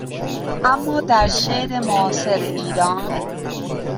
اما در شعر معاصر ایران